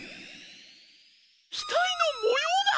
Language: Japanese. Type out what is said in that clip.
ひたいのもようだ！